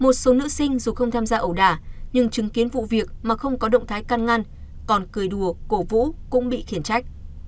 một số nữ sinh dù không tham gia ẩu đả nhưng chứng kiến vụ việc mà không có động thái căn ngăn còn cười đùa cổ vũ cũng bị khiển trách